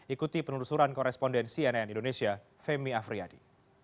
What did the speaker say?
ikuti penelusuran koresponden cnn indonesia femi afriyadi